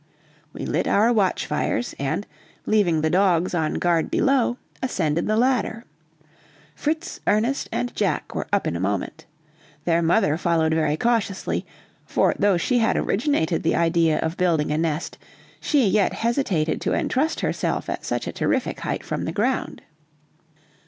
We lit our watch fires, and, leaving the dogs on guard below, ascended the ladder. Fritz, Ernest, and Jack were up in a moment. Their mother followed very cautiously, for though she had originated the idea of building a nest, she yet hesitated to entrust herself at such a terrific height from the ground.